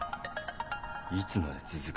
いつまで続くんだ？